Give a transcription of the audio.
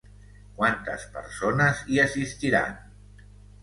Quantes persones hi assistiran?